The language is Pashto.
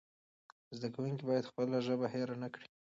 زده کوونکي باید خپله ژبه هېره نه کړي.